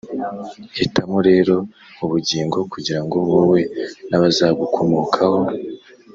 hitamo rero ubugingo kugira ngo wowe n’abazagukomokaho